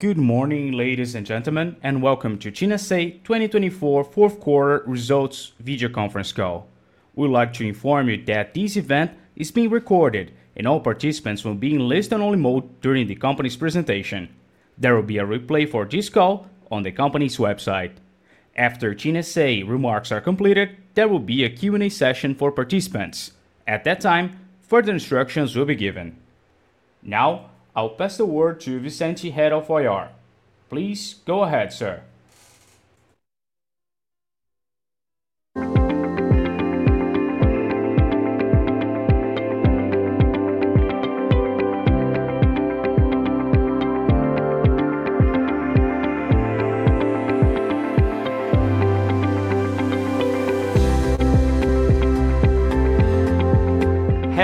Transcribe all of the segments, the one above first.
Good morning, ladies and gentlemen, and welcome to TIM S.A. 2024 Fourth Quarter Results video conference call. We would like to inform you that this event is being recorded, and all participants will be in listen-only mode during the company's presentation. There will be a replay for this call on the company's website. After TIM S.A. remarks are completed, there will be a Q&A session for participants. At that time, further instructions will be given. Now, I'll pass the word to Vicente, Head of IR. Please go ahead, sir.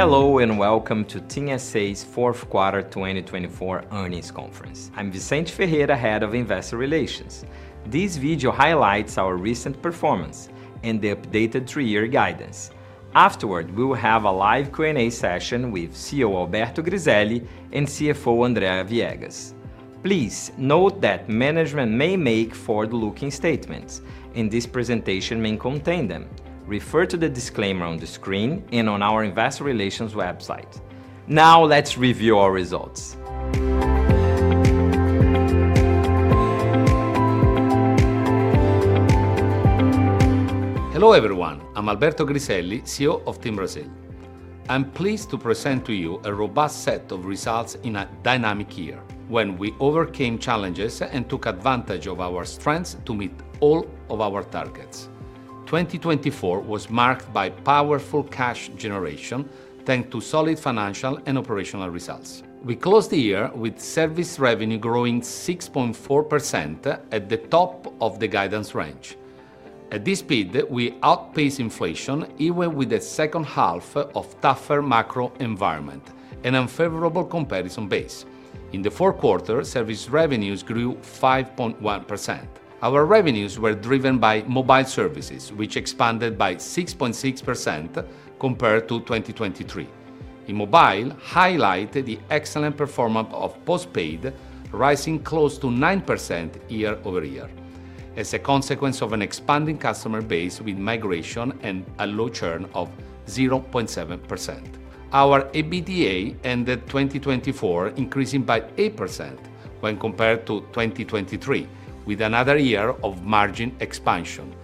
Hello and welcome to TIM S.A.'s Fourth Quarter 2024 Earnings Conference Call. I'm Vicente Ferreira, Head of Investor Relations. This video highlights our recent performance and the updated three-year guidance. Afterward, we will have a live Q&A session with CEO Alberto Griselli and CFO Andrea Viegas. Please note that management may make forward-looking statements, and this presentation may contain them. Refer to the disclaimer on the screen and on our Investor Relations website. Now, let's review our results. Hello, everyone. I'm Alberto Griselli, CEO of TIM Brasil. I'm pleased to present to you a robust set of results in a dynamic year, when we overcame challenges and took advantage of our strengths to meet all of our targets. 2024 was marked by powerful cash generation, thanks to solid financial and operational results. We closed the year with service revenue growing 6.4% at the top of the guidance range. At this speed, we outpaced inflation, even with the second half of a tougher macro environment and an unfavorable comparison base. In the fourth quarter, service revenues grew 5.1%. Our revenues were driven by mobile services, which expanded by 6.6% compared to 2023. In mobile, highlight the excellent performance of postpaid, rising close to 9% year-over-year, as a consequence of an expanding customer base with migration and a low churn of 0.7%. Our EBITDA ended 2024 increasing by 8% when compared to 2023, with another year of margin expansion.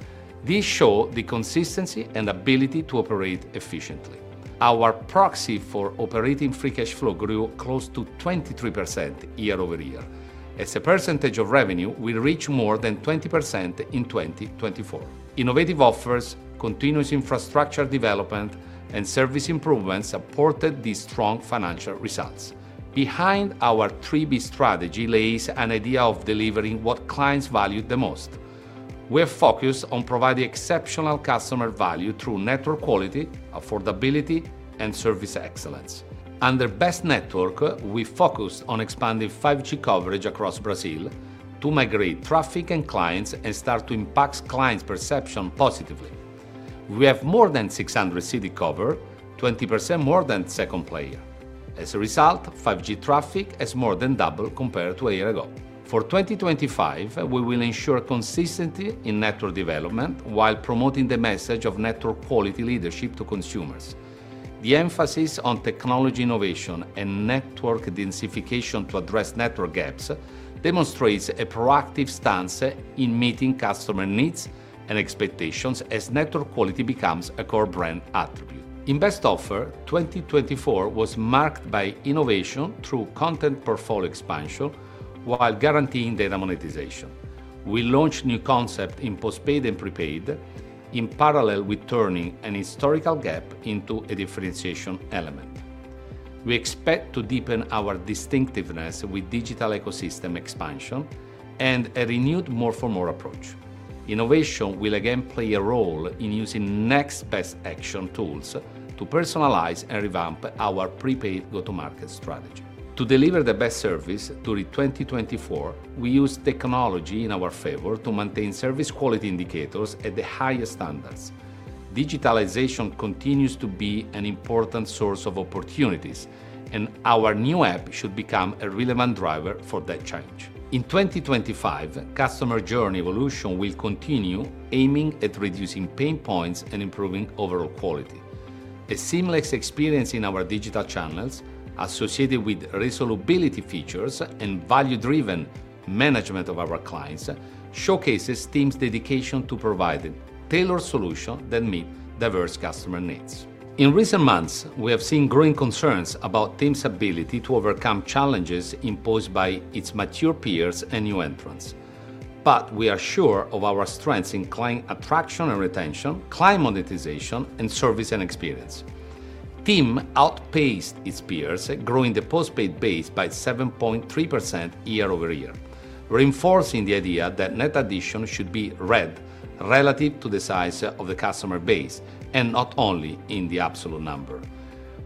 This showed the consistency and ability to operate efficiently. Our proxy for operating free cash flow grew close to 23% year-over-year, as a percentage of revenue will reach more than 20% in 2024. Innovative offers, continuous infrastructure development, and service improvements supported these strong financial results. Behind our 3B strategy lies an idea of delivering what clients value the most. We are focused on providing exceptional customer value through network quality, affordability, and service excellence. Under Best Network, we focus on expanding 5G coverage across Brazil to migrate traffic and clients and start to impact clients' perception positively. We have more than 600-city coverage, 20% more than second player. As a result, 5G traffic has more than doubled compared to a year ago. For 2025, we will ensure consistency in network development while promoting the message of network quality leadership to consumers. The emphasis on technology innovation and network densification to address network gaps demonstrates a proactive stance in meeting customer needs and expectations as network quality becomes a core brand attribute. In Best Offer, 2024 was marked by innovation through content portfolio expansion while guaranteeing data monetization. We launched new concepts in postpaid and prepaid, in parallel with turning a historical gap into a differentiation element. We expect to deepen our distinctiveness with digital ecosystem expansion and a renewed more-for-more approach. Innovation will again play a role in using next best action tools to personalize and revamp our prepaid go-to-market strategy. To deliver the best service during 2024, we use technology in our favor to maintain service quality indicators at the highest standards. Digitalization continues to be an important source of opportunities, and our new app should become a relevant driver for that change. In 2025, customer journey evolution will continue, aiming at reducing pain points and improving overall quality. A seamless experience in our digital channels, associated with resolvability features and value-driven management of our clients, showcases TIM's dedication to providing tailored solutions that meet diverse customer needs. In recent months, we have seen growing concerns about TIM's ability to overcome challenges imposed by its mature peers and new entrants. But we are sure of our strengths in client attraction and retention, client monetization, and service and experience. TIM outpaced its peers, growing the postpaid base by 7.3% year-over-year, reinforcing the idea that net addition should be read relative to the size of the customer base and not only in the absolute number.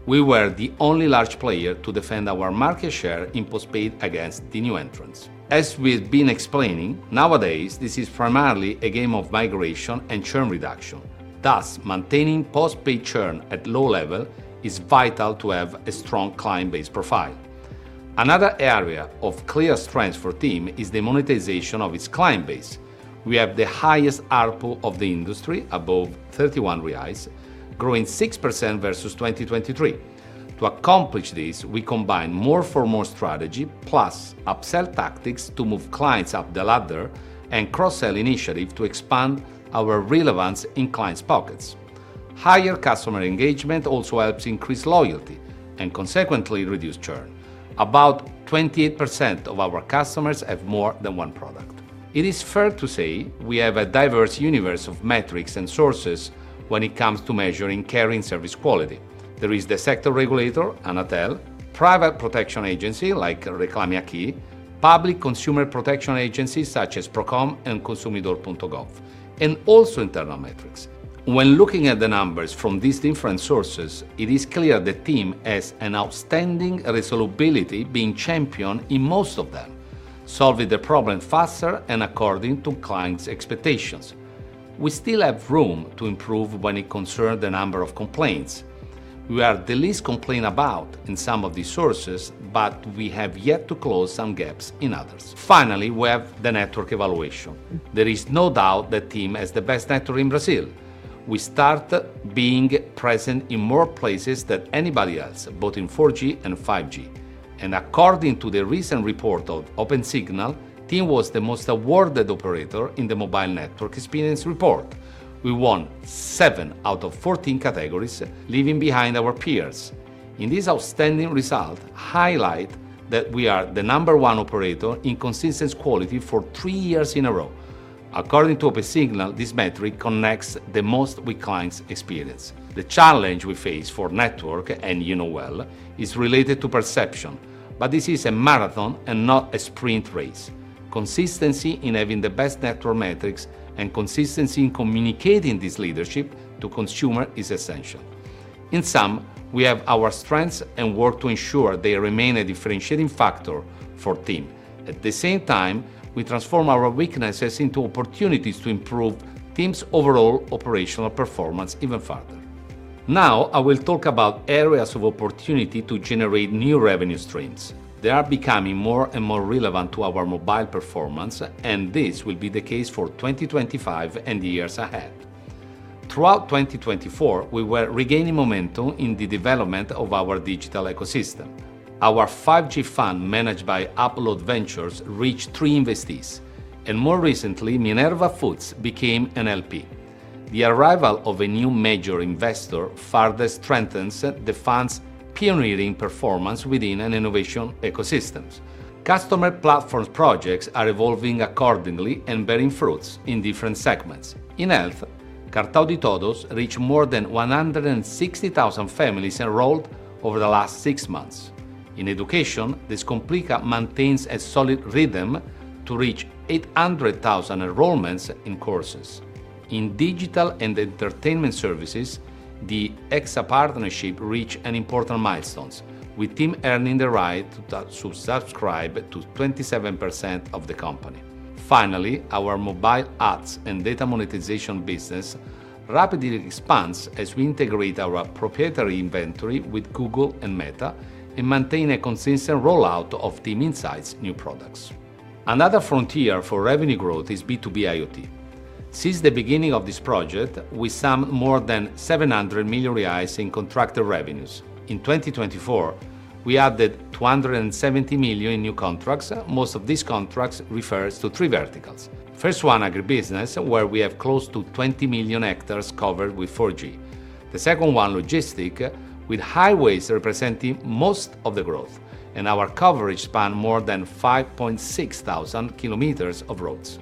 We were the only large player to defend our market share in postpaid against the new entrants. As we've been explaining, nowadays, this is primarily a game of migration and churn reduction. Thus, maintaining postpaid churn at a low level is vital to have a strong client base profile. Another area of clear strength for TIM is the monetization of its client base. We have the highest ARPU of the industry, above 31 reais, growing 6% versus 2023. To accomplish this, we combined more-for-more strategy plus upsell tactics to move clients up the ladder and cross-sell initiatives to expand our relevance in clients' pockets. Higher customer engagement also helps increase loyalty and, consequently, reduce churn. About 28% of our customers have more than one product. It is fair to say we have a diverse universe of metrics and sources when it comes to measuring care in service quality. There is the sector regulator, Anatel, private protection agency like Reclame Aqui, public consumer protection agencies such as Procon and Consumidor.gov, and also internal metrics. When looking at the numbers from these different sources, it is clear that TIM has an outstanding resolvability, being champion in most of them, solving the problem faster and according to clients' expectations. We still have room to improve when it concerns the number of complaints. We are the least complained about in some of these sources, but we have yet to close some gaps in others. Finally, we have the network evaluation. There is no doubt that TIM has the best network in Brazil. We start being present in more places than anybody else, both in 4G and 5G. And according to the recent report of Opensignal, TIM was the most awarded operator in the Mobile Network Experience report. We won seven out of 14 categories, leaving behind our peers. In this outstanding result, highlight that we are the number one operator in consistent quality for three years in a row. According to Opensignal, this metric connects the most with clients' experience. The challenge we face for network, and you know well, is related to perception, but this is a marathon and not a sprint race. Consistency in having the best network metrics and consistency in communicating this leadership to consumers is essential. In sum, we have our strengths and work to ensure they remain a differentiating factor for TIM. At the same time, we transform our weaknesses into opportunities to improve TIM's overall operational performance even further. Now, I will talk about areas of opportunity to generate new revenue streams. They are becoming more and more relevant to our mobile performance, and this will be the case for 2025 and the years ahead. Throughout 2024, we were regaining momentum in the development of our digital ecosystem. Our 5G fund managed by Upload Ventures reached three investees, and more recently, Minerva Foods became an LP. The arrival of a new major investor further strengthens the fund's pioneering performance within innovation ecosystems. Customer platform projects are evolving accordingly and bearing fruits in different segments. In health, Cartão de Todos reached more than 160,000 families enrolled over the last six months. In education, Descomplica maintains a solid rhythm to reach 800,000 enrollments in courses. In digital and entertainment services, the Exa partnership reached important milestones, with TIM earning the right to subscribe to 27% of the company. Finally, our mobile ads and data monetization business rapidly expands as we integrate our proprietary inventory with Google and Meta and maintain a consistent rollout of TIM Insights' new products. Another frontier for revenue growth is B2B IoT. Since the beginning of this project, we summed more than 700 million reais in contracted revenues. In 2024, we added 270 million in new contracts. Most of these contracts refer to three verticals. The first one, agribusiness, where we have close to 20 million hectares covered with 4G. The second one, logistics, with highways representing most of the growth, and our coverage spanned more than 5,600 km of roads.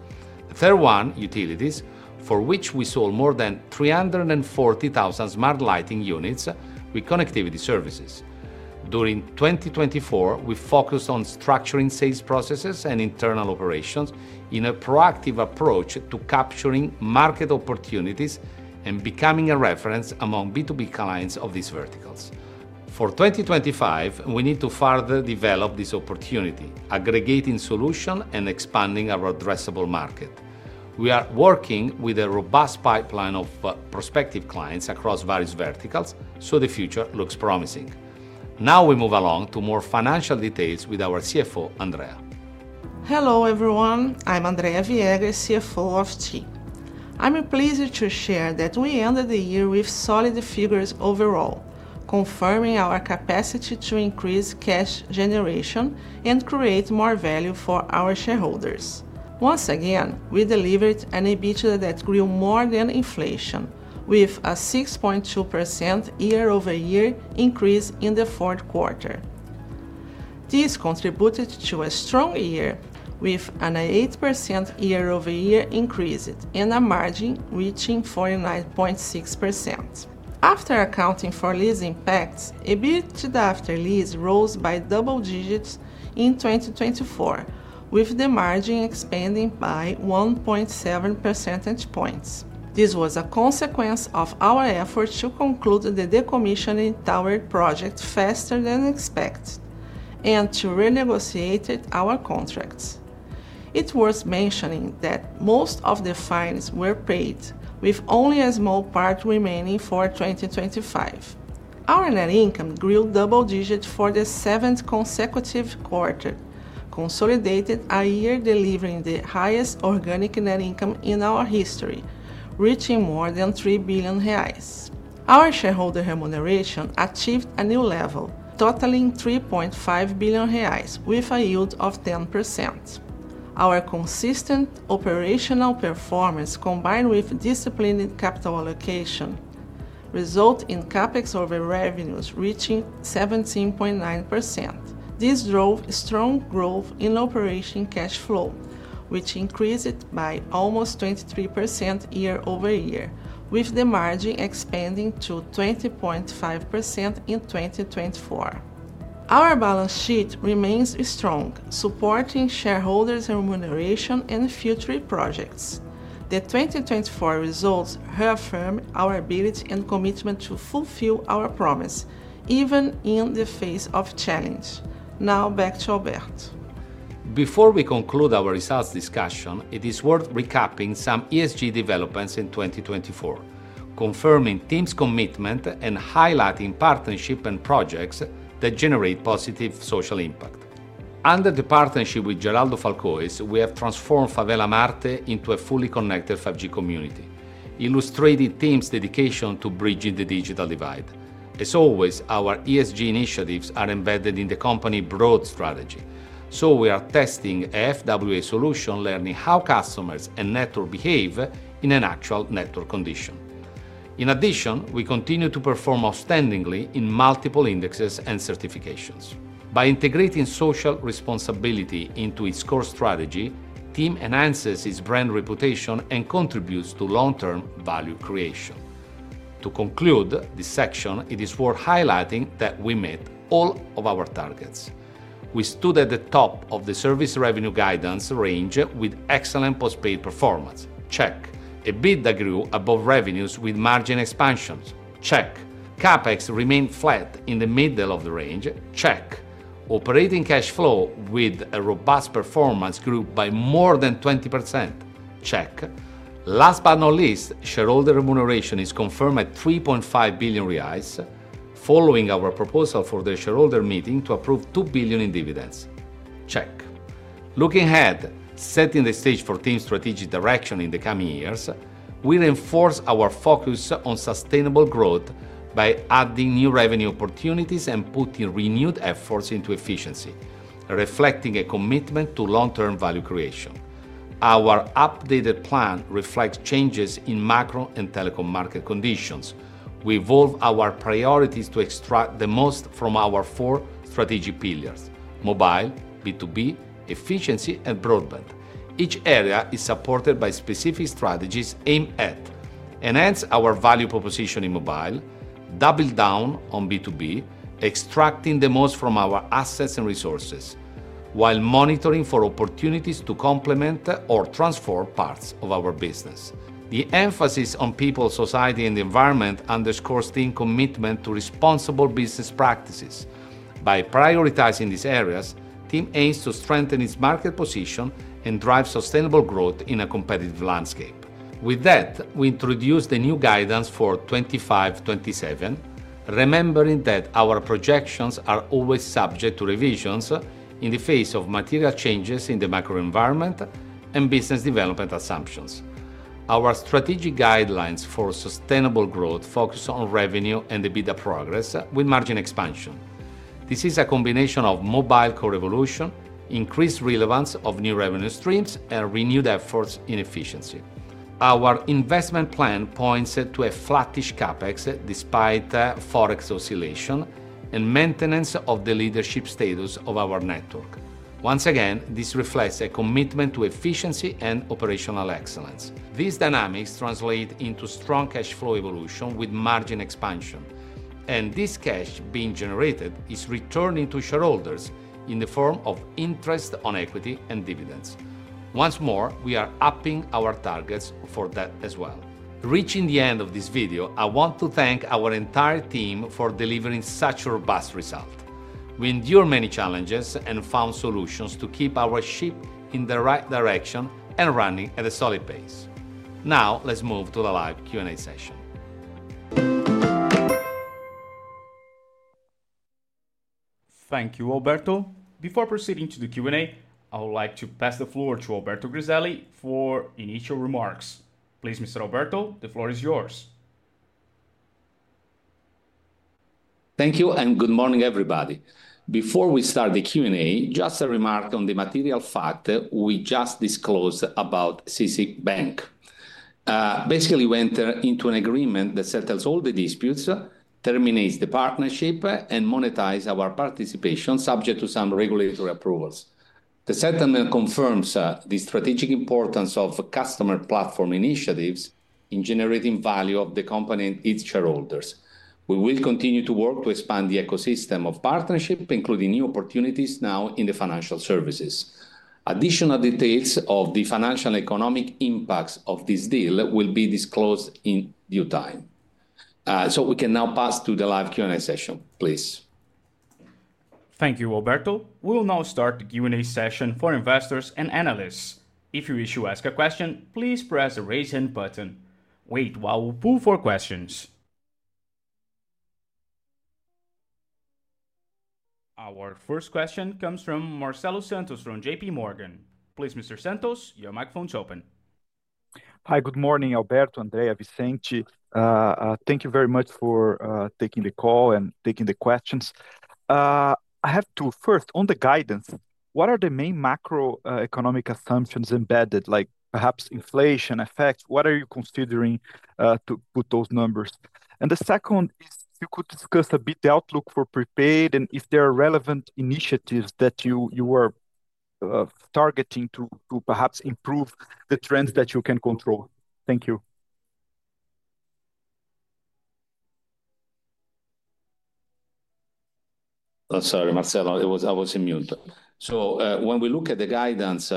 The third one, utilities, for which we sold more than 340,000 smart lighting units with connectivity services. During 2024, we focused on structuring sales processes and internal operations in a proactive approach to capturing market opportunities and becoming a reference among B2B clients of these verticals. For 2025, we need to further develop this opportunity, aggregating solutions and expanding our addressable market. We are working with a robust pipeline of prospective clients across various verticals, so the future looks promising. Now we move along to more financial details with our CFO, Andrea. Hello, everyone. I'm Andrea Viegas, CFO of TIM. I'm pleased to share that we ended the year with solid figures overall, confirming our capacity to increase cash generation and create more value for our shareholders. Once again, we delivered an EBITDA that grew more than inflation, with a 6.2% year-over-year increase in the fourth quarter. This contributed to a strong year with an 8% year-over-year increase and a margin reaching 49.6%. After accounting for lease impacts, EBITDA after lease rose by double digits in 2024, with the margin expanding by 1.7 percentage points. This was a consequence of our effort to conclude the decommissioning tower project faster than expected and to renegotiate our contracts. It's worth mentioning that most of the fines were paid, with only a small part remaining for 2025. Our net income grew double digits for the seventh consecutive quarter, consolidating a year delivering the highest organic net income in our history, reaching more than 3 billion reais. Our shareholder remuneration achieved a new level, totaling 3.5 billion reais, with a yield of 10%. Our consistent operational performance, combined with disciplined capital allocation, resulted in CapEx over revenues reaching 17.9%. This drove strong growth in operating cash flow, which increased by almost 23% year-over-year, with the margin expanding to 20.5% in 2024. Our balance sheet remains strong, supporting shareholders' remuneration and future projects. The 2024 results reaffirm our ability and commitment to fulfill our promise, even in the face of challenges. Now, back to Alberto. Before we conclude our results discussion, it is worth recapping some ESG developments in 2024, confirming TIM's commitment and highlighting partnerships and projects that generate positive social impact. Under the partnership with Gerando Falcões, we have transformed Favela Marte into a fully connected 5G community, illustrating TIM's dedication to bridging the digital divide. As always, our ESG initiatives are embedded in the company's broad strategy, so we are testing a FWA solution, learning how customers and network behave in an actual network condition. In addition, we continue to perform outstandingly in multiple indexes and certifications. By integrating social responsibility into its core strategy, TIM enhances its brand reputation and contributes to long-term value creation. To conclude this section, it is worth highlighting that we met all of our targets. We stood at the top of the service revenue guidance range with excellent postpaid performance. Check. EBITDA grew above revenues with margin expansions. Check. CapEx remained flat in the middle of the range. Check. Operating cash flow with a robust performance grew by more than 20%. Check. Last but not least, shareholder remuneration is confirmed at 3.5 billion reais, following our proposal for the shareholder meeting to approve 2 billion in dividends. Check. Looking ahead, setting the stage for TIM's strategic direction in the coming years, we reinforce our focus on sustainable growth by adding new revenue opportunities and putting renewed efforts into efficiency, reflecting a commitment to long-term value creation. Our updated plan reflects changes in macro and telecom market conditions. We evolve our priorities to extract the most from our four strategic pillars: mobile, B2B, efficiency, and broadband. Each area is supported by specific strategies aimed at: enhance our value proposition in mobile, double down on B2B, extracting the most from our assets and resources, while monitoring for opportunities to complement or transform parts of our business. The emphasis on people, society, and the environment underscores TIM's commitment to responsible business practices. By prioritizing these areas, TIM aims to strengthen its market position and drive sustainable growth in a competitive landscape. With that, we introduce the new guidance for 2027, remembering that our projections are always subject to revisions in the face of material changes in the macro environment and business development assumptions. Our strategic guidelines for sustainable growth focus on revenue and EBITDA progress with margin expansion. This is a combination of mobile co-evolution, increased relevance of new revenue streams, and renewed efforts in efficiency. Our investment plan points to a flattish CapEx despite forex oscillation and maintenance of the leadership status of our network. Once again, this reflects a commitment to efficiency and operational excellence. These dynamics translate into strong cash flow evolution with margin expansion, and this cash being generated is returned to shareholders in the form of interest on equity and dividends. Once more, we are upping our targets for that as well. Reaching the end of this video, I want to thank our entire team for delivering such robust results. We endured many challenges and found solutions to keep our ship in the right direction and running at a solid pace. Now, let's move to the live Q&A session. Thank you, Alberto. Before proceeding to the Q&A, I would like to pass the floor to Alberto Griselli for initial remarks. Please, Mr. Alberto, the floor is yours. Thank you, and good morning, everybody. Before we start the Q&A, just a remark on the material fact we just disclosed about C6 Bank. Basically, we enter into an agreement that settles all the disputes, terminates the partnership, and monetizes our participation subject to some regulatory approvals. The settlement confirms the strategic importance of customer platform initiatives in generating value for the company and its shareholders. We will continue to work to expand the ecosystem of partnership, including new opportunities now in the financial services. Additional details of the financial and economic impacts of this deal will be disclosed in due time. So we can now pass to the live Q&A session. Please. Thank you, Alberto. We will now start the Q&A session for investors and analysts. If you wish to ask a question, please press the raise-hand button. Wait while we pull for questions. Our first question comes from Marcelo Santos from J.P. Morgan. Please, Mr. Santos, your microphone is open. Hi, good morning, Alberto, Andrea, Vicente. Thank you very much for taking the call and taking the questions. I have two first. On the guidance, what are the main macroeconomic assumptions embedded, like perhaps inflation effects? What are you considering to put those numbers? And the second is, if you could discuss a bit the outlook for prepaid and if there are relevant initiatives that you are targeting to perhaps improve the trends that you can control. Thank you. Sorry, Marcelo, I was on mute. So when we look at the guidance,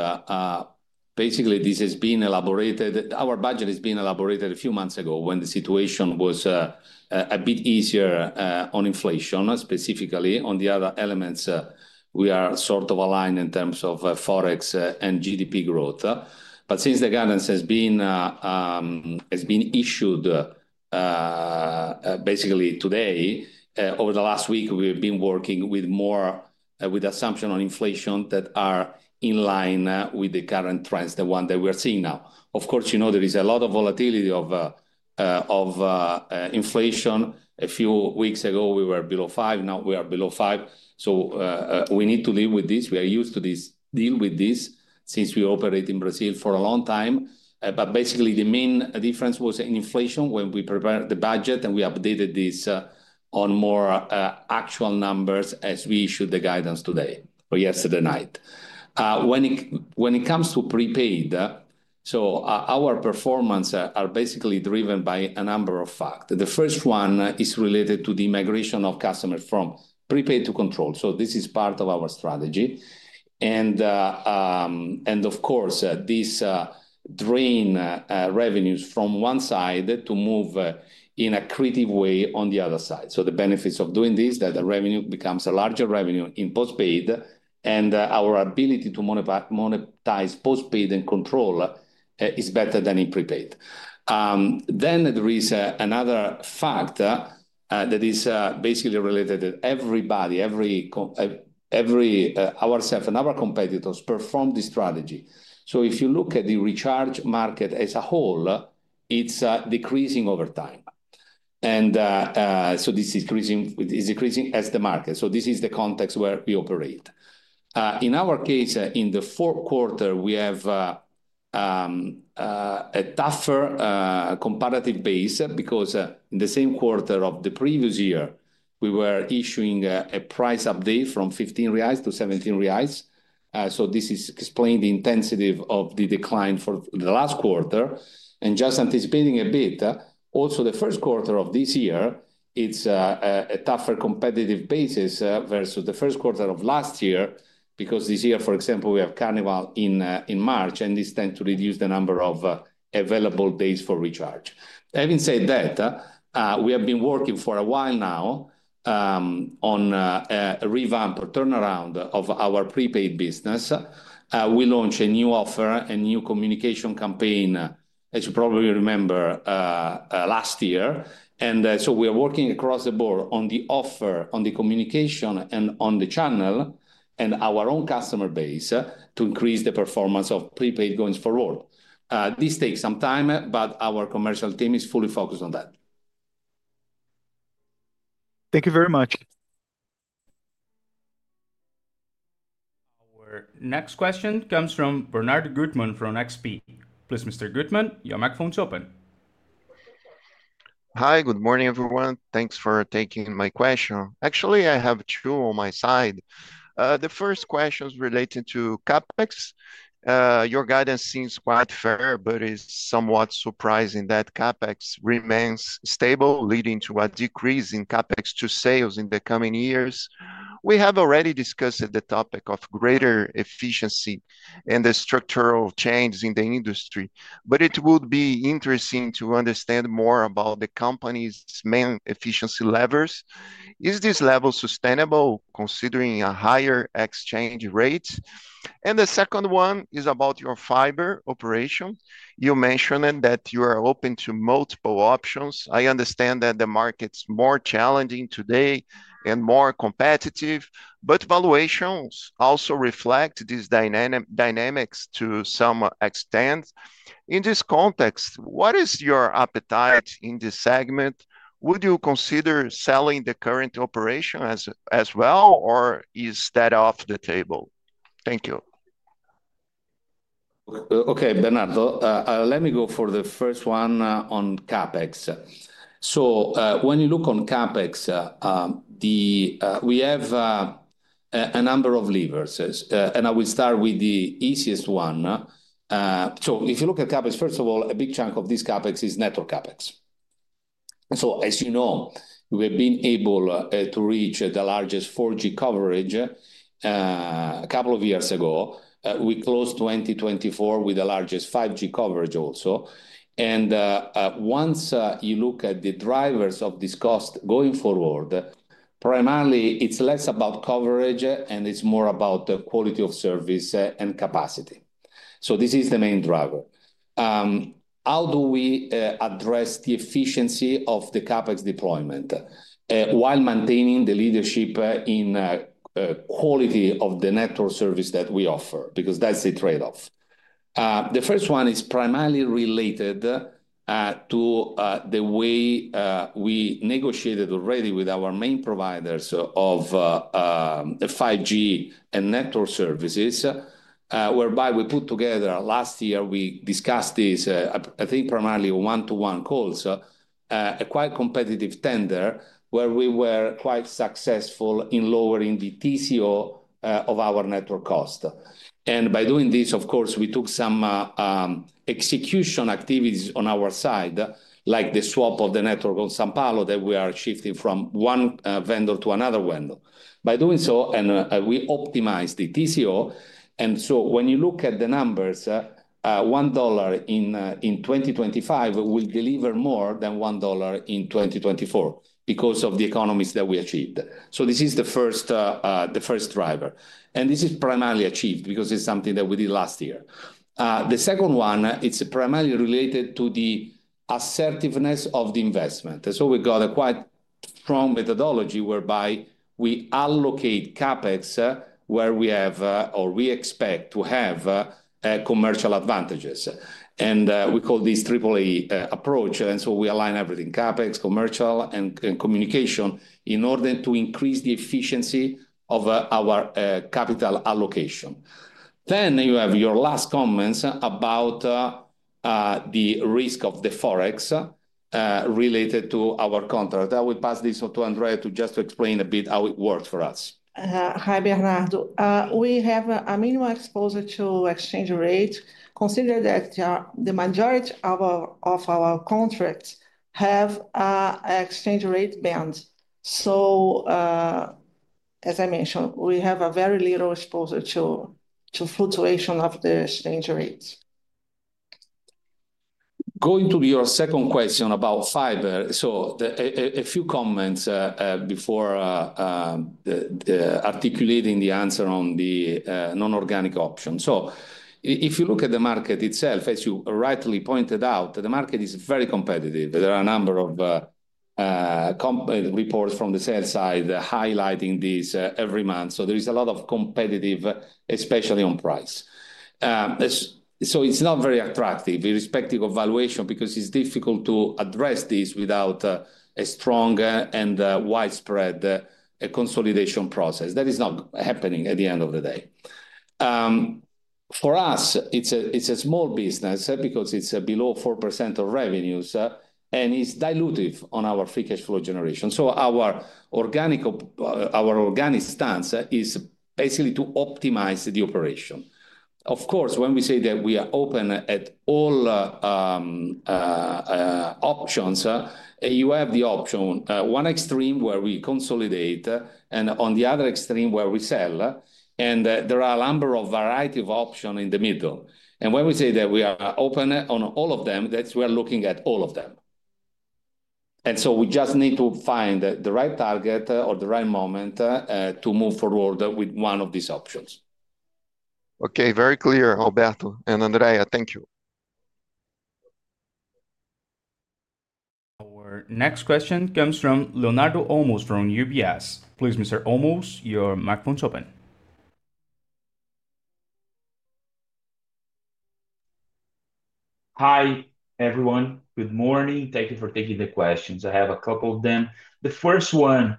basically, this has been elaborated. Our budget has been elaborated a few months ago when the situation was a bit easier on inflation, specifically on the other elements. We are sort of aligned in terms of forex and GDP growth. But since the guidance has been issued, basically today, over the last week, we have been working with more assumptions on inflation that are in line with the current trends, the one that we are seeing now. Of course, you know there is a lot of volatility of inflation. A few weeks ago, we were below five. Now we are below five. So we need to deal with this. We are used to this deal with this since we operate in Brazil for a long time. Basically, the main difference was in inflation when we prepared the budget and we updated this on more actual numbers as we issued the guidance today or yesterday night. When it comes to prepaid, our performances are basically driven by a number of facts. The first one is related to the migration of customers from prepaid to control. This is part of our strategy. Of course, this drains revenues from one side to move in a creative way on the other side. The benefits of doing this, that the revenue becomes a larger revenue in postpaid, and our ability to monetize postpaid and control is better than in prepaid. There is another fact that is basically related that everybody, ourselves and our competitors performed this strategy. If you look at the recharge market as a whole, it's decreasing over time. This is decreasing as the market. This is the context where we operate. In our case, in the fourth quarter, we have a tougher comparative base because in the same quarter of the previous year, we were issuing a price update from 15 reais to 17 reais. This explains the intensity of the decline for the last quarter. Just anticipating a bit, also the first quarter of this year, it is a tougher competitive basis versus the first quarter of last year because this year, for example, we have Carnival in March, and this tends to reduce the number of available days for recharge. Having said that, we have been working for a while now on a revamp or turnaround of our prepaid business. We launched a new offer, a new communication campaign, as you probably remember, last year. And so we are working across the board on the offer, on the communication, and on the channel and our own customer base to increase the performance of prepaid going forward. This takes some time, but our commercial team is fully focused on that. Thank you very much. Our next question comes from Bernardo Guttmann from XP. Please, Mr. Guttmann, your microphone is open. Hi, good morning, everyone. Thanks for taking my question. Actually, I have two on my side. The first question is related to CapEx. Your guidance seems quite fair, but it's somewhat surprising that CapEx remains stable, leading to a decrease in CapEx to sales in the coming years. We have already discussed the topic of greater efficiency and the structural changes in the industry, but it would be interesting to understand more about the company's main efficiency levers. Is this level sustainable considering a higher exchange rate? And the second one is about your fiber operation. You mentioned that you are open to multiple options. I understand that the market's more challenging today and more competitive, but valuations also reflect these dynamics to some extent. In this context, what is your appetite in this segment? Would you consider selling the current operation as well, or is that off the table? Thank you. Okay, Bernardo, let me go for the first one on CapEx. So when you look on CapEx, we have a number of levers, and I will start with the easiest one. So if you look at CapEx, first of all, a big chunk of this CapEx is network CapEx. So as you know, we have been able to reach the largest 4G coverage a couple of years ago. We closed 2024 with the largest 5G coverage also. And once you look at the drivers of this cost going forward, primarily, it's less about coverage, and it's more about the quality of service and capacity. So this is the main driver. How do we address the efficiency of the CapEx deployment while maintaining the leadership in quality of the network service that we offer? Because that's the trade-off. The first one is primarily related to the way we negotiated already with our main providers of 5G and network services, whereby we put together last year, we discussed this, I think, primarily one-to-one calls, a quite competitive tender where we were quite successful in lowering the TCO of our network cost. And by doing this, of course, we took some execution activities on our side, like the swap of the network on São Paulo that we are shifting from one vendor to another vendor. By doing so, and we optimized the TCO. And so when you look at the numbers, $1 in 2025 will deliver more than $1 in 2024 because of the economies that we achieved. So this is the first driver. And this is primarily achieved because it's something that we did last year. The second one, it's primarily related to the assertiveness of the investment. And so we've got a quite strong methodology whereby we allocate CapEx where we have or we expect to have commercial advantages. And we call this AAA Approach. And so we align everything: CapEx, commercial, and communication in order to increase the efficiency of our capital allocation. Then you have your last comments about the risk of the forex related to our contract. I will pass this to Andrea just to explain a bit how it works for us. Hi, Bernardo. We have a minimal exposure to exchange rate. Consider that the majority of our contracts have an exchange rate band. So as I mentioned, we have a very little exposure to fluctuation of the exchange rates. Going to your second question about fiber, so a few comments before articulating the answer on the non-organic option. So if you look at the market itself, as you rightly pointed out, the market is very competitive. There are a number of reports from the sales side highlighting this every month. So there is a lot of competitive, especially on price. So it's not very attractive irrespective of valuation because it's difficult to address this without a strong and widespread consolidation process. That is not happening at the end of the day. For us, it's a small business because it's below 4% of revenues, and it's dilutive on our free cash flow generation. So our organic stance is basically to optimize the operation. Of course, when we say that we are open to all options, you have the option, one extreme where we consolidate and on the other extreme where we sell. And there are a number of varieties of options in the middle. And when we say that we are open to all of them, that is, we are looking at all of them. And so we just need to find the right target or the right moment to move forward with one of these options. Okay, very clear, Alberto. Andrea, thank you. Our next question comes from Leonardo Olmos from UBS. Please, Mr. Olmos, your microphone is open. Hi, everyone. Good morning. Thank you for taking the questions. I have a couple of them. The first one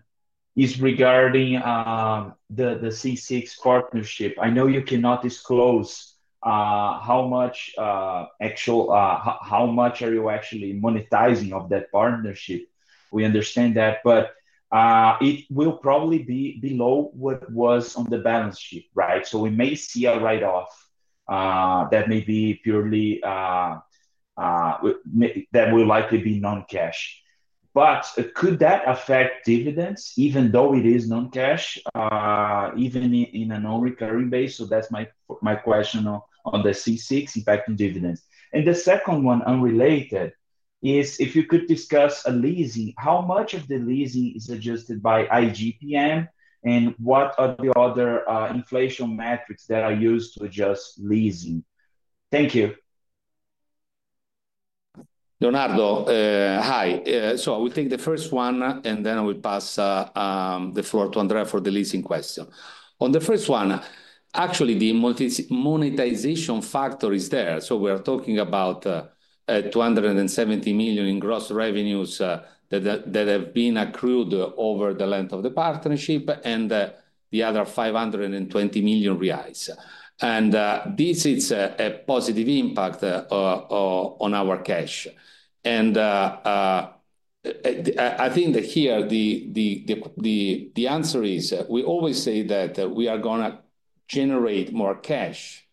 is regarding the C6 partnership. I know you cannot disclose how much are you actually monetizing of that partnership. We understand that, but it will probably be below what was on the balance sheet, right? So we may see a write-off that will likely be non-cash. But could that affect dividends even though it is non-cash, even in a non-recurring basis? So that's my question on the C6 impacting dividends. The second one, unrelated, is if you could discuss leasing, how much of the leasing is adjusted by IGPM, and what are the other inflation metrics that are used to adjust leasing? Thank you. Leonardo, hi. So I will take the first one, and then I will pass the floor to Andrea for the leasing question. On the first one, actually, the monetization factor is there. So we are talking about 270 million in gross revenues that have been accrued over the length of the partnership and the other 520 million reais. And this is a positive impact on our cash. And I think that here the answer is we always say that we are going to generate more cash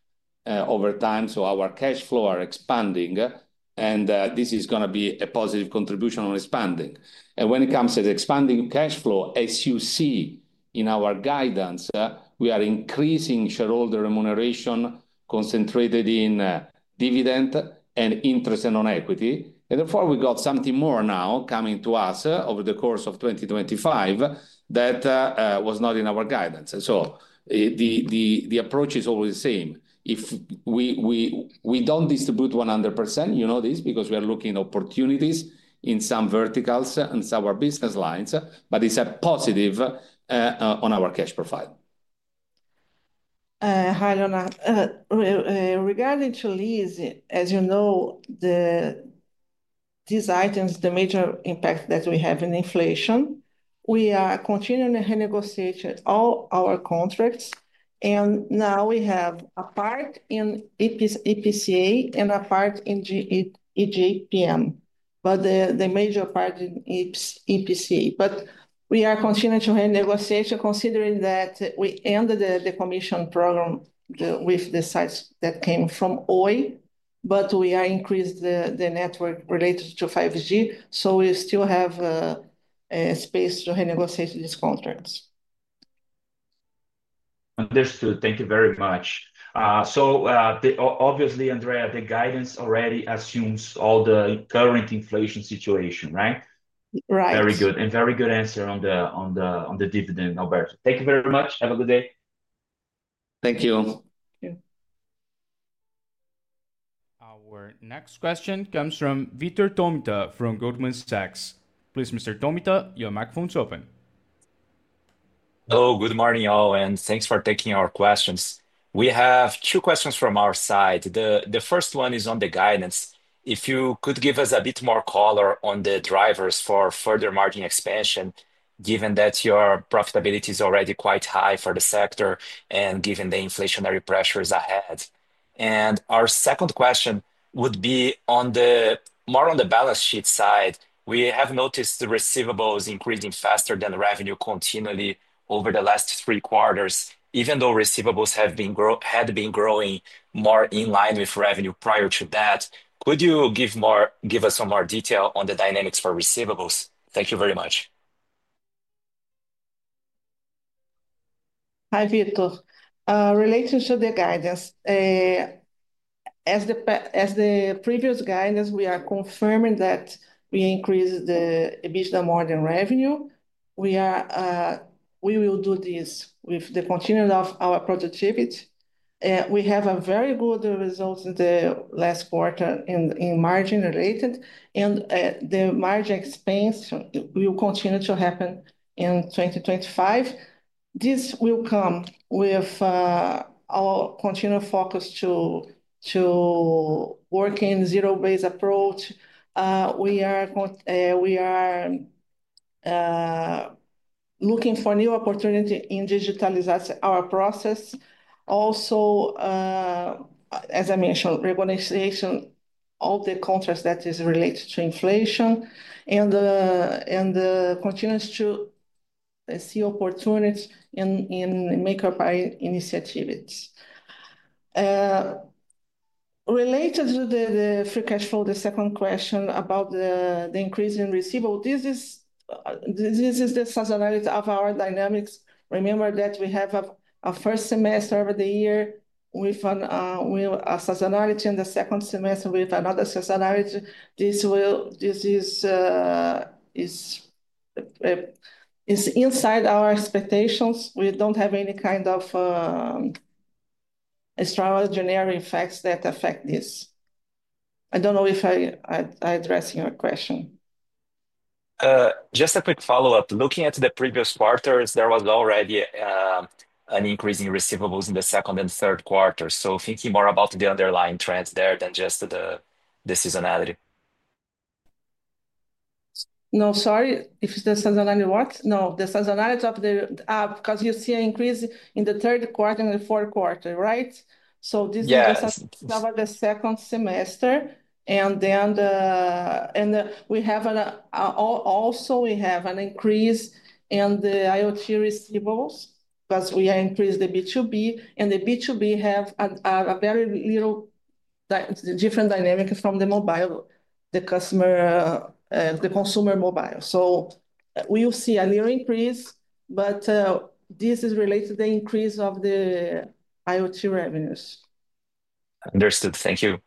over time. So our cash flow is expanding, and this is going to be a positive contribution on expanding. And when it comes to the expanding cash flow, as you see in our guidance, we are increasing shareholder remuneration concentrated in dividends and interest on equity. Therefore, we got something more now coming to us over the course of 2025 that was not in our guidance. The approach is always the same. If we don't distribute 100%, you know this, because we are looking at opportunities in some verticals and some of our business lines, but it's a positive on our cash profile. Hi, Leonardo. Regarding to lease, as you know, these items, the major impact that we have in inflation, we are continuing to renegotiate all our contracts. Now we have a part in IPCA and a part in IGPM, but the major part in IPCA. We are continuing to renegotiate considering that we ended the commission program with the sites that came from Oi, but we are increasing the network related to 5G. So we still have space to renegotiate these contracts. Understood. Thank you very much. So obviously, Andrea, the guidance already assumes all the current inflation situation, right? Right. Very good. And very good answer on the dividend, Alberto. Thank you very much. Have a good day. Thank you. Thank you. Our next question comes from Vitor Tomita from Goldman Sachs. Please, Mr. Tomita, your microphone is open. Hello, good morning, y'all, and thanks for taking our questions. We have two questions from our side. The first one is on the guidance. If you could give us a bit more color on the drivers for further margin expansion, given that your profitability is already quite high for the sector and given the inflationary pressures ahead. And our second question would be more on the balance sheet side. We have noticed the receivables increasing faster than revenue continually over the last three quarters, even though receivables had been growing more in line with revenue prior to that. Could you give us some more detail on the dynamics for receivables? Thank you very much. Hi, Vitor. Relating to the guidance, as the previous guidance, we are confirming that we increased the additional more than revenue. We will do this with the continuing of our productivity. We have very good results in the last quarter in margin related, and the margin expansion will continue to happen in 2025. This will come with our continued focus to work in zero-based approach. We are looking for new opportunities in digitalizing our process. Also, as I mentioned, reorganization of the contracts that is related to inflation and continues to see opportunities in make-or-buy initiatives. Related to the free cash flow, the second question about the increase in receivables, this is the seasonality of our dynamics. Remember that we have a first semester over the year with a seasonality and the second semester with another seasonality. This is inside our expectations. We don't have any kind of extraordinary effects that affect this. I don't know if I'm addressing your question. Just a quick follow-up. Looking at the previous quarters, there was already an increase in receivables in the second and third quarters. So thinking more about the underlying trends there than just the seasonality. No, sorry, if it's the seasonality what? No, the seasonality of the because you see an increase in the third quarter and the fourth quarter, right? So this is the second semester. And then we also have an increase in the IoT receivables because we have increased the B2B, and the B2B have a very little different dynamic from the mobile, the customer, the consumer mobile. So we will see a little increase, but this is related to the increase of the IoT revenues. Understood. Thank you.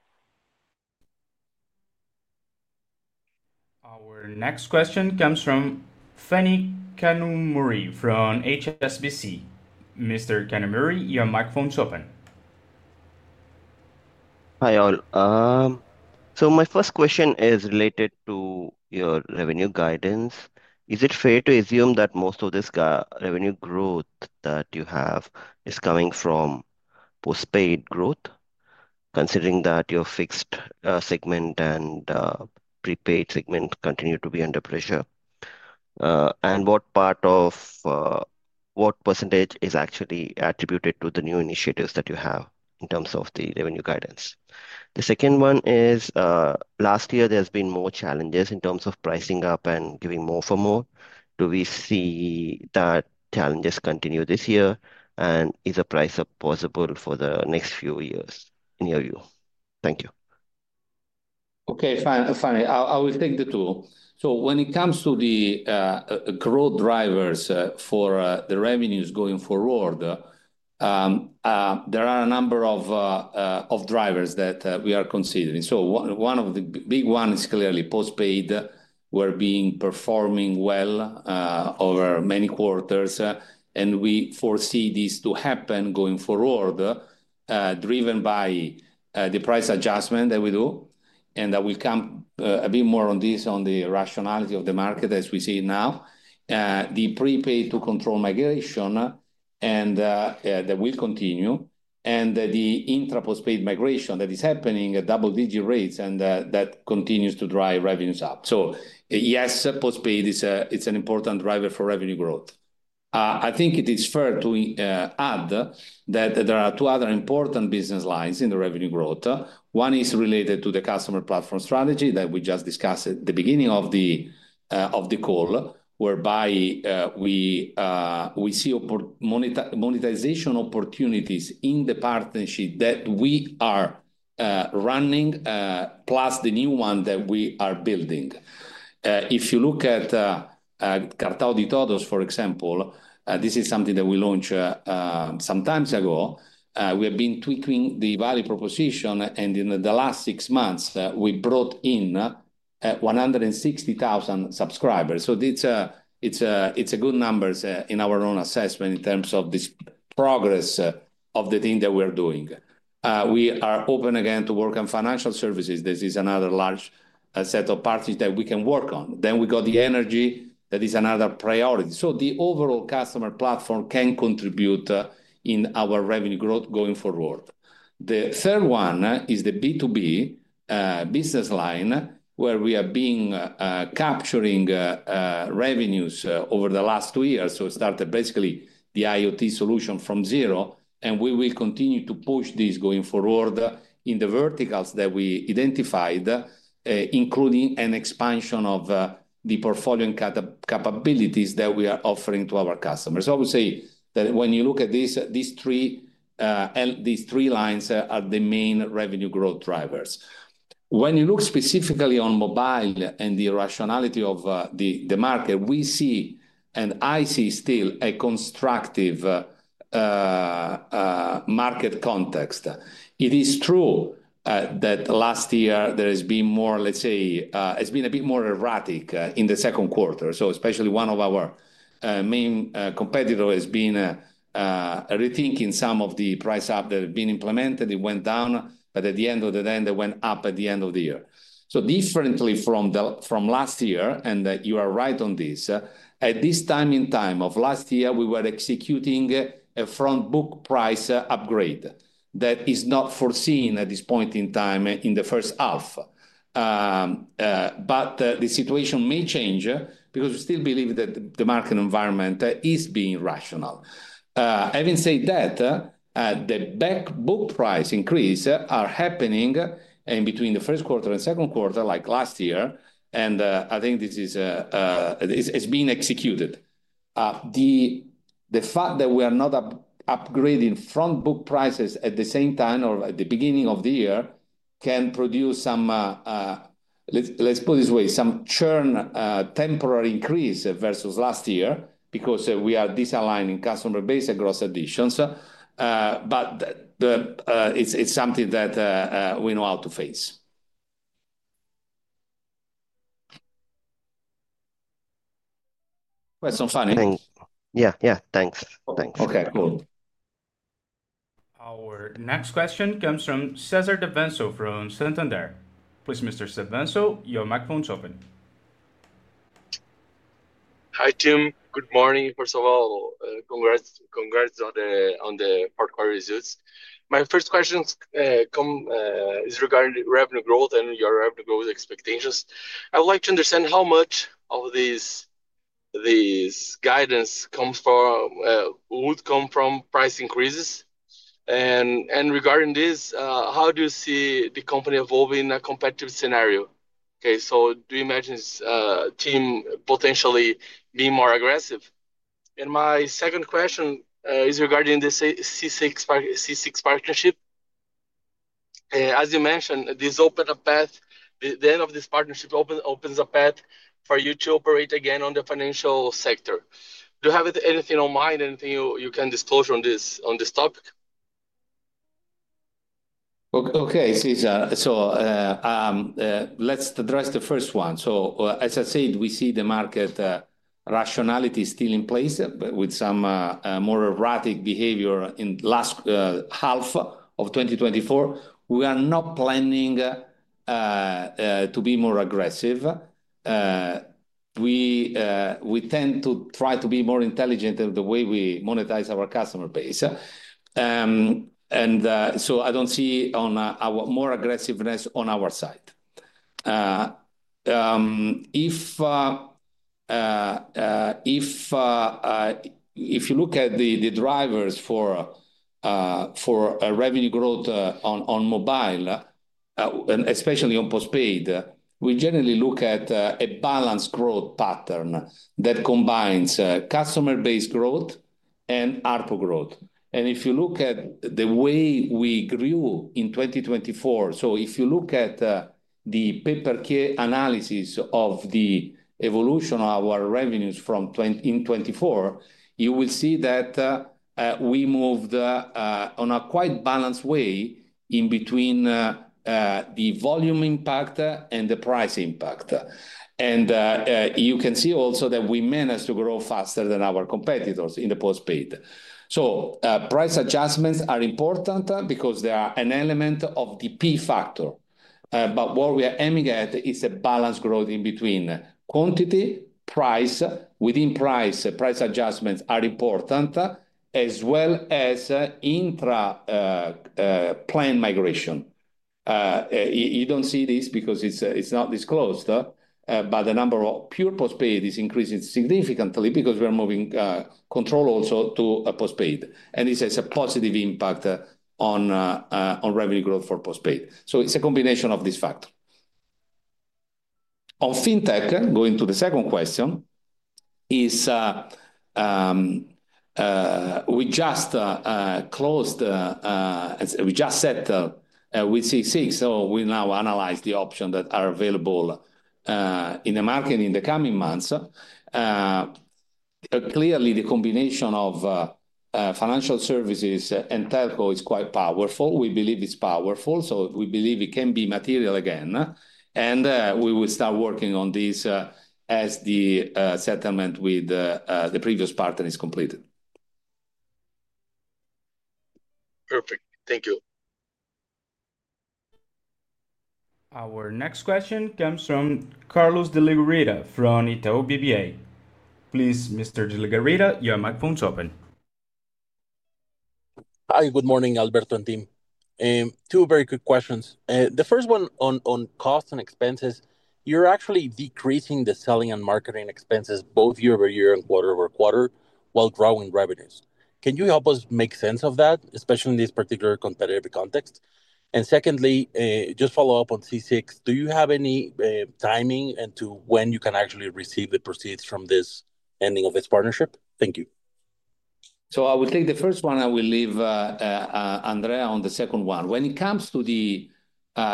Our next question comes from Phani Kanumuri from HSBC. Mr. Kanumuri, your microphone is open. Hi, all. So my first question is related to your revenue guidance. Is it fair to assume that most of this revenue growth that you have is coming from post-paid growth, considering that your fixed segment and prepaid segment continue to be under pressure? And what part of what percentage is actually attributed to the new initiatives that you have in terms of the revenue guidance? The second one is, last year there have been more challenges in terms of pricing up and giving more-for-more. Do we see that challenges continue this year, and is a price possible for the next few years in your view? Thank you. Okay, fine. I will take the two. So when it comes to the growth drivers for the revenues going forward, there are a number of drivers that we are considering. So one of the big ones is clearly postpaid. We're being performing well over many quarters, and we foresee this to happen going forward, driven by the price adjustment that we do. I will come a bit more on this on the rationality of the market as we see it now, the prepaid to Control migration that will continue, and the intra postpaid migration that is happening at double-digit rates and that continues to drive revenues up. So yes, postpaid is an important driver for revenue growth. I think it is fair to add that there are two other important business lines in the revenue growth. One is related to the customer platform strategy that we just discussed at the beginning of the call, whereby we see monetization opportunities in the partnership that we are running, plus the new one that we are building. If you look at Cartão de Todos, for example, this is something that we launched some time ago. We have been tweaking the value proposition, and in the last six months, we brought in 160,000 subscribers. It's a good number in our own assessment in terms of the progress of the thing that we are doing. We are open again to work on financial services. This is another large set of parties that we can work on. Then we got the energy. That is another priority. So the overall customer platform can contribute in our revenue growth going forward. The third one is the B2B business line, where we are capturing revenues over the last two years. So we started basically the IoT solution from zero, and we will continue to push this going forward in the verticals that we identified, including an expansion of the portfolio and capabilities that we are offering to our customers. I would say that when you look at these three lines are the main revenue growth drivers. When you look specifically on mobile and the rationality of the market, we see, and I see still a constructive market context. It is true that last year there has been more, let's say, it's been a bit more erratic in the second quarter. So especially one of our main competitors has been rethinking some of the price ups that have been implemented. It went down, but at the end of the day, they went up at the end of the year. So differently from last year, and you are right on this, at this time in time of last year, we were executing a front-book price upgrade that is not foreseen at this point in time in the first half. But the situation may change because we still believe that the market environment is being rational. Having said that, the back-book price increases are happening in between the first quarter and second quarter, like last year, and I think this has been executed. The fact that we are not upgrading front-book prices at the same time or at the beginning of the year can produce some, let's put it this way, some churn temporary increase versus last year because we are disaligning customer base across additions. But it's something that we know how to face. Question, Fanny? Yeah, yeah. Thanks. Thanks. Okay, cool. Our next question comes from César Davanço from Santander. Please, Mr. Davanço, your microphone is open. Hi, Tim. Good morning, first of all. Congrats on the strong results. My firs t question is regarding revenue growth and your revenue growth expectations. I would like to understand how much of this guidance would come from price increases. And regarding this, how do you see the company evolving in a competitive scenario? Okay, so do you imagine this team potentially being more aggressive? And my second question is regarding the C6 partnership. As you mentioned, this opened a path. The end of this partnership opens a path for you to operate again on the financial sector. Do you have anything on mind, anything you can disclose on this topic? Okay, César. So let's address the first one. So as I said, we see the market rationality still in place with some more erratic behavior in the last half of 2024. We are not planning to be more aggressive. We tend to try to be more intelligent in the way we monetize our customer base. And so I don't see more aggressiveness on our side. If you look at the drivers for revenue growth on mobile, especially on postpaid, we generally look at a balanced growth pattern that combines customer-based growth and ARPU growth. If you look at the way we grew in 2024, so if you look at the paper analysis of the evolution of our revenues in 2024, you will see that we moved on a quite balanced way in between the volume impact and the price impact. You can see also that we managed to grow faster than our competitors in the postpaid. Price adjustments are important because they are an element of the P factor. What we are aiming at is a balanced growth in between quantity, price. Within price, price adjustments are important, as well as intra-plan migration. You don't see this because it's not disclosed, but the number of pure postpaid is increasing significantly because we are moving control also to postpaid. And this has a positive impact on revenue growth for postpaid. So it's a combination of these factors. On fintech, going to the second question, we just closed. We just said with C6, so we now analyze the options that are available in the market in the coming months. Clearly, the combination of financial services and telco is quite powerful. We believe it's powerful, so we believe it can be material again. And we will start working on this as the settlement with the previous partner is completed. Perfect. Thank you. Our next question comes from Carlos Sequeira from Itaú BBA. Please, Mr. Sequeira, your microphone is open. Hi, good morning, Alberto and team. Two very quick questions. The first one on costs and expenses, you're actually decreasing the selling and marketing expenses both year-over-year and quarter over quarter while growing revenues. Can you help us make sense of that, especially in this particular competitive context? And secondly, just follow up on C6, do you have any timing into when you can actually receive the proceeds from this ending of this partnership? Thank you. So I will take the first one. I will leave Andrea on the second one. When it comes to the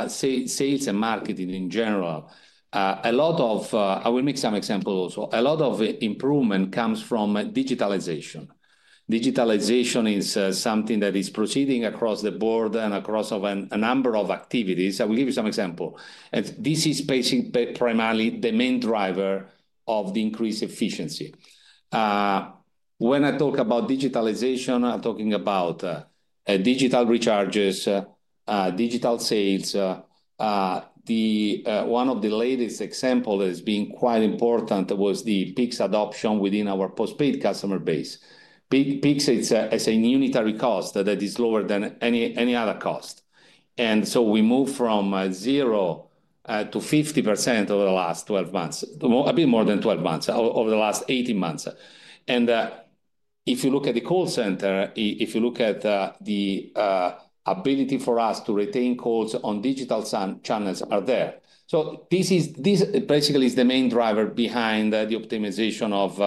sales and marketing in general, a lot of, I will make some examples also, a lot of improvement comes from digitalization. Digitalization is something that is proceeding across the board and across a number of activities. I will give you some examples. And this is basically primarily the main driver of the increased efficiency. When I talk about digitalization, I'm talking about digital recharges, digital sales. One of the latest examples that has been quite important was the Pix adoption within our post-paid customer base. Pix is a unitary cost that is lower than any other cost, and so we moved from zero to 50% over the last 12 months, a bit more than 12 months, over the last 18 months, and if you look at the call center, if you look at the ability for us to retain calls on digital channels are there, so this basically is the main driver behind the optimization of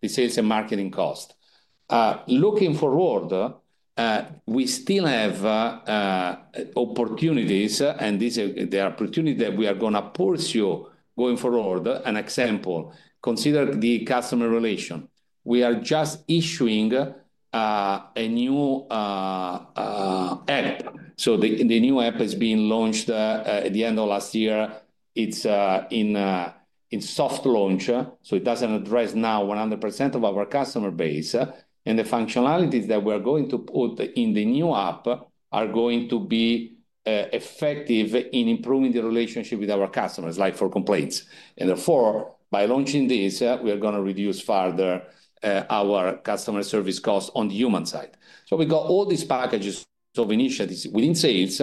the sales and marketing cost. Looking forward, we still have opportunities, and this is the opportunity that we are going to pursue going forward. An example, consider the customer relation. We are just issuing a new app. So the new app has been launched at the end of last year. It's in soft launch, so it doesn't address now 100% of our customer base. And the functionalities that we're going to put in the new app are going to be effective in improving the relationship with our customers, like for complaints. And therefore, by launching this, we are going to reduce further our customer service costs on the human side. So we got all these packages of initiatives within sales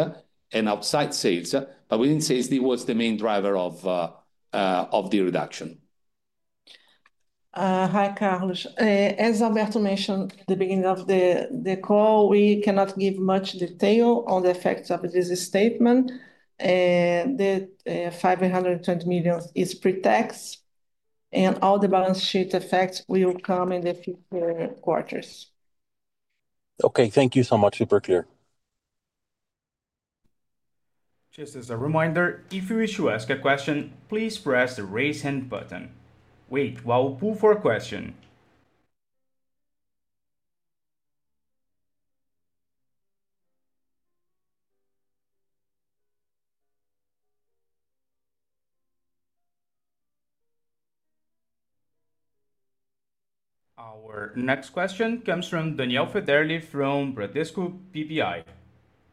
and outside sales, but within sales, it was the main driver of the reduction. Hi, Carlos. As Alberto mentioned at the beginning of the call, we cannot give much detail on the effects of this statement. The 520 million is pre-tax, and all the balance sheet effects will come in the future quarters. Okay, thank you so much. Super clear. Just as a reminder, if you wish to ask a question, please press the raise hand button. Wait while we poll for a question. Our next question comes from Daniel Federle from Bradesco BBI.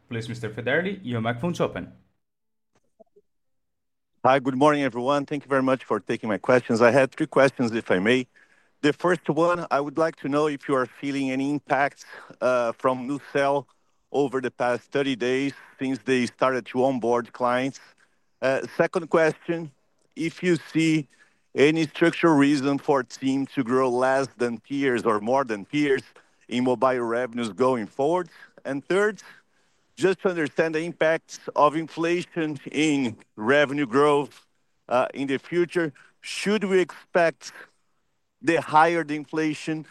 Please, Mr. Federle, your microphone is open. Hi, good morning, everyone. Thank you very much for taking my questions. I had three questions, if I may. The first one, I would like to know if you are feeling any impact from NuCel over the past 30 days since they started to onboard clients. Second question, if you see any structural reason for TIM to grow less than peers or more than peers in mobile revenues going forward. And third, just to understand the impacts of inflation in revenue growth in the future, should we expect the higher the inflation,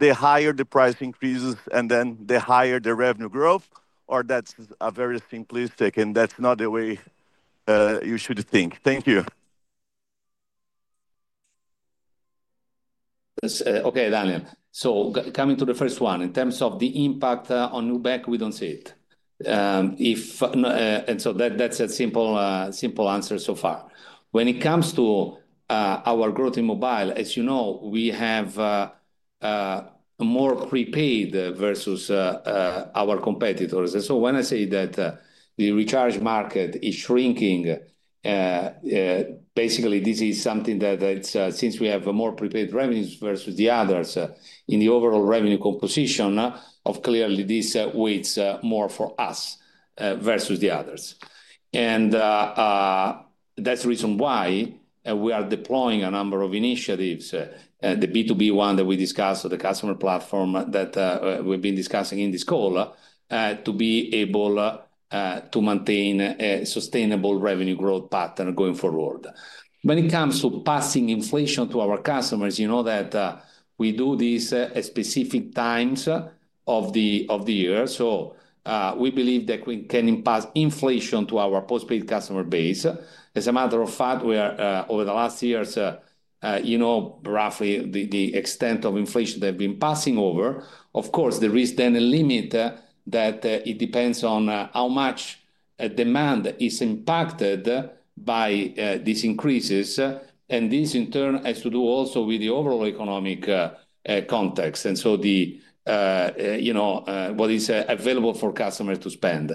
the higher the price increases, and then the higher the revenue growth? Or that's very simplistic, and that's not the way you should think. Thank you. Okay, Daniel. So coming to the first one, in terms of the impact on Nubank, we don't see it. And so that's a simple answer so far. When it comes to our growth in mobile, as you know, we have more prepaid versus our competitors. And so when I say that the recharge market is shrinking, basically, this is something that since we have more prepaid revenues versus the others in the overall revenue composition, clearly this weighs more for us versus the others. And that's the reason why we are deploying a number of initiatives, the B2B one that we discussed, the customer platform that we've been discussing in this call, to be able to maintain a sustainable revenue growth pattern going forward. When it comes to passing inflation to our customers, you know that we do this at specific times of the year. So we believe that we can impart inflation to our postpaid customer base. As a matter of fact, over the last years, you know roughly the extent of inflation that we've been passing over. Of course, there is then a limit that it depends on how much demand is impacted by these increases. And this, in turn, has to do also with the overall economic context. And so what is available for customers to spend.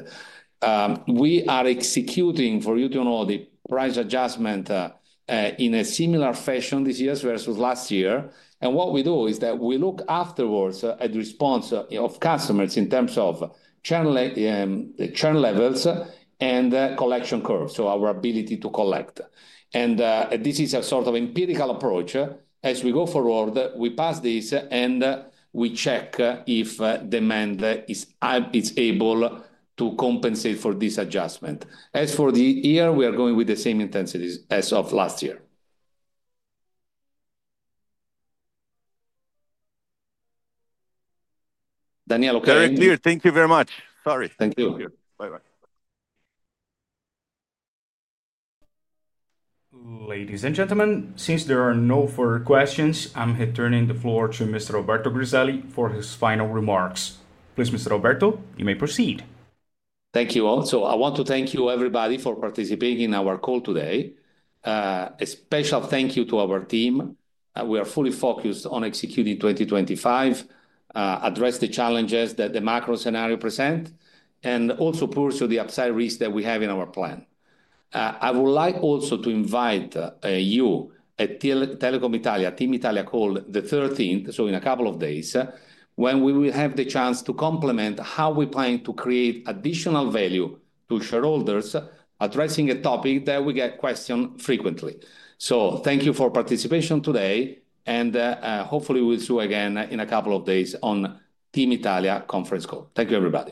We are executing, for you to know, the price adjustment in a similar fashion this year versus last year. And what we do is that we look afterwards at the response of customers in terms of churn levels and collection curves, so our ability to collect. And this is a sort of empirical approach. As we go forward, we pass this and we check if demand is able to compensate for this adjustment. As for the year, we are going with the same intensities as of last year. Daniel, okay? Very clear. Thank you very much. Sorry. Thank you. Bye-bye. Ladies and gentlemen, since there are no further questions, I'm turning the floor to Mr. Alberto Griselli for his final remarks. Please, Mr. Alberto, you may proceed. Thank you all. So I want to thank you, everybody, for participating in our call today. A special thank you to our team. We are fully focused on executing 2025, addressing the challenges that the macro scenario presents, and also pursuing the upside risks that we have in our plan. I would like also to invite you at Telecom Italia, TIM Italia call on the 13th, so in a couple of days, when we will have the chance to complement how we plan to create additional value to shareholders, addressing a topic that we get questioned frequently. So thank you for participation today, and hopefully, we'll see you again in a couple of days on TIM Italia conference call. Thank you, everybody.